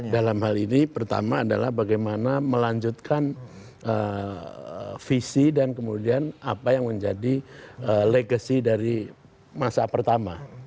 dalam hal ini pertama adalah bagaimana melanjutkan visi dan kemudian apa yang menjadi legacy dari masa pertama